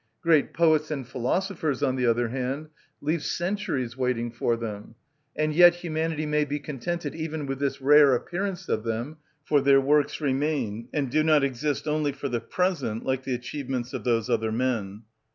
Great poets and philosophers, on the other hand, leave centuries waiting for them; and yet humanity may be contented even with this rare appearance of them, for their works remain, and do not exist only for the present, like the achievements of those other men.